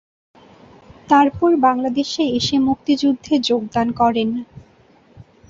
তারপর বাংলাদেশে এসে মুক্তিযুদ্ধে যোগদান করেন।